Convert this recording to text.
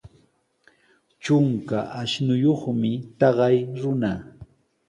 Trunka ashnuyuqmi taqay runa.